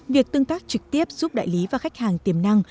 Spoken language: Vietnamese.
việc tương tác trực tiếp giúp đại lý và khách hàng tiềm năng